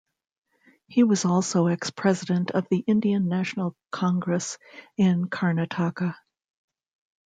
He was also ex-president of the Indian National Congress in Karnataka.